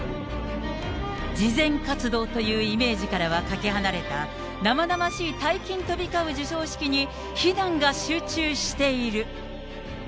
慈善活動というイメージからはかけ離れた、生々しい大金飛び交う授賞式に非難が集中している。